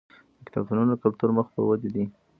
د کتابتونونو کلتور مخ په ودې دی.